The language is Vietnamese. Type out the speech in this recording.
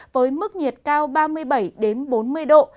với mức nhiệt cao ba mươi bảy bốn mươi độ